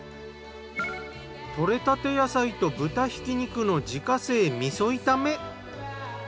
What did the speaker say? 採れたて野菜と豚ひき肉の自家製味噌炒め。